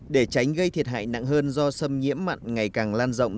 để tránh gây thiệt hại nặng hơn do sâm nhiễm mặn ngày càng lan rộng